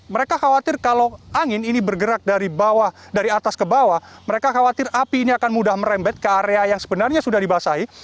mereka khawatir kalau angin ini bergerak dari atas ke bawah mereka khawatir api ini akan mudah merembet ke area yang sebenarnya sudah dibasahi